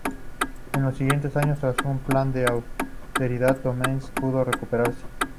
En los siguientes años, tras un plan de austeridad, Domecq pudo recuperarse.